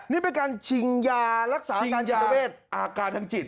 นี่เป็นการชิงยารักษาอาการทางจิตเตอร์เวศชิงยาอาการทางจิต